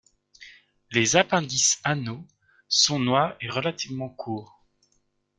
Les appendices anaux sont noirs et relativement courts.